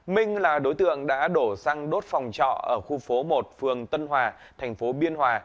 minh là đối tượng đã đổ xăng đốt phòng trọ ở khu phố một phường tân hòa thành phố biên hòa